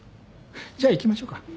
じゃあ行きましょうか。